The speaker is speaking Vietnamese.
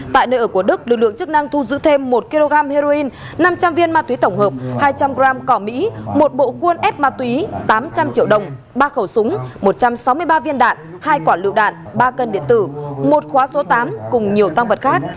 tại nơi ở của đức lực lượng chức năng thu giữ thêm một kg heroin năm trăm linh viên ma túy tổng hợp hai trăm linh g cỏ mỹ một bộ khuôn ép ma túy tám trăm linh triệu đồng ba khẩu súng một trăm sáu mươi ba viên đạn hai quả lựu đạn ba cân điện tử một khóa số tám cùng nhiều tăng vật khác